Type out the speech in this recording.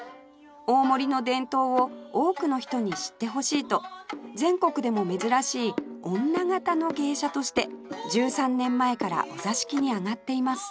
大森の伝統を多くの人に知ってほしいと全国でも珍しい女形の芸者として１３年前からお座敷に上がっています